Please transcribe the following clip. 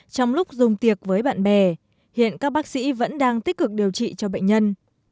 trong lúc dùng tiệc với bạn bè hiện các bác sĩ vẫn đang tích cực điều trị cho bệnh nhân